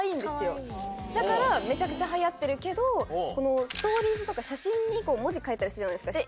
だからめちゃくちゃ流行ってるけどストーリーズとか写真に文字書いたりするじゃないですか。